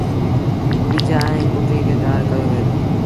ٻج ائيٚݩ ڪُٽيٚ کي ڌآر ڪيو وهي دو۔